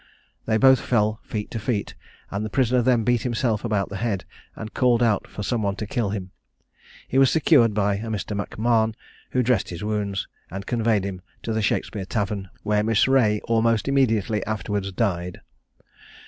They both fell feet to feet, and the prisoner then beat himself about the head, and called out for some one to kill him. He was secured by a Mr. McMahon, who dressed his wounds, and conveyed him to the Shakspeare Tavern, where Miss Reay almost immediately afterwards died.